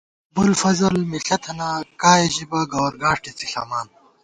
ابُوافضل مِݪہ تھنہ، کائےژِبہ، گوَر گاݭٹےڅِݪَمان